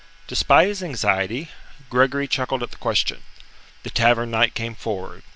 Despite his anxiety, Gregory chuckled at the question. The Tavern Knight came forward.